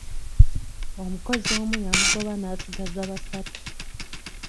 Omukozi omu yamugoba n'asigaza basatu.